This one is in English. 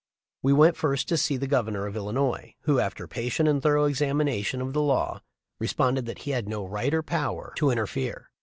We went first to see the Governor of Illinois, who, after patient and thorough examination of the law, responded that he had no right or power to interfere.